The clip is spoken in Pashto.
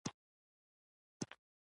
د برېټانیا قونسل بندي کړ.